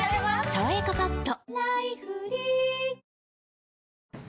「さわやかパッド」